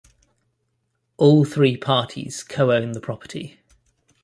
All three parties co-own the property.